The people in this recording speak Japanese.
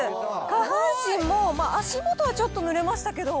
下半身も、足元はちょっとぬれましたけど。